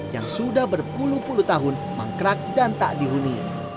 yang sudah berpuluh puluh tahun mangkrak dan tak dihuni